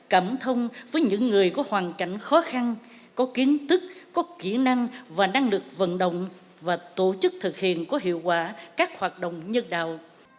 cảm thông với những người có hoàn cảnh khó khăn có kiến thức có kỹ năng và năng lực vận động và tổ chức thực hiện có hiệu quả các hoạt động nhân đạo